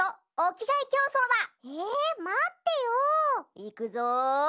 いくぞ！